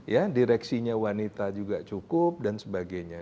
ya direksinya wanita juga cukup dan sebagainya